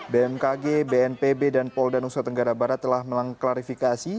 bmkg bnpb dan polda nusa tenggara barat telah mengklarifikasi